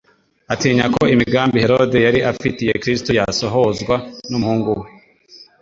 atinya ko imigambi Herode yari afitiye Kristo yasohozwa n'umuhungu we.